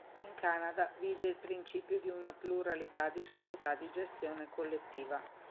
In Canada vige il principio di una pluralità di società di gestione collettiva.